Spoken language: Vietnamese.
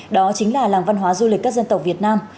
đó chính là làng văn hóa du lịch các dân tộc việt nam